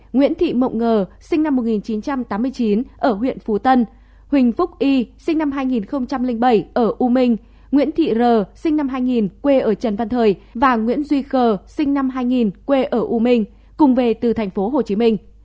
nguyễn thị mộng ngờ sinh năm một nghìn chín trăm tám mươi chín ở huyện phú tân huỳnh phúc y sinh năm hai nghìn bảy ở u minh nguyễn thị r sinh năm hai nghìn quê ở trần văn thời và nguyễn duy khờ sinh năm hai nghìn quê ở u minh cùng về từ thành phố hồ chí minh